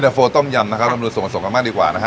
เย็นเตอร์โฟต้มยำนะครับเรามาดูส่งมาส่งกันมากดีกว่านะคะ